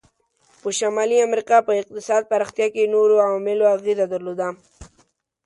په شمالي امریکا په اقتصاد پراختیا کې نورو عواملو اغیزه درلوده.